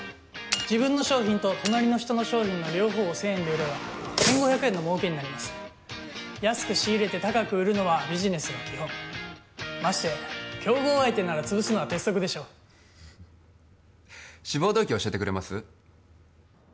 自分の商品と隣の人の商品の両方を１０００円で売れば１５００円の儲けになります安く仕入れて高く売るのはビジネスの基本まして競合相手なら潰すのは鉄則でしょう志望動機教えてくれます？